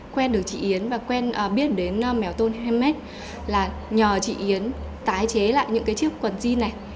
quen được chị yến và quen biết đến mèo tôn hammed là nhờ chị yến tái chế lại những cái chiếc quần jean này